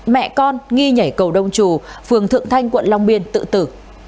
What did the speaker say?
mẹ con nghi nhảy cầu đông trù phường thượng thanh quận long biên tự tử